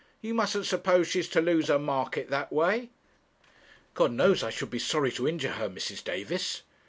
You mustn't suppose she's to lose her market that way.' 'God knows I should be sorry to injure her, Mrs. Davis.'